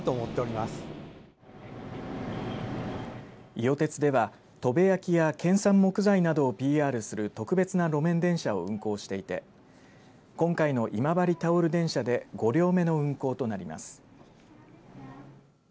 伊予鉄では砥部焼や県産木材などをＰＲする特別な路面電車を運行していて今回の今治タオル電車で５両目の運行となります。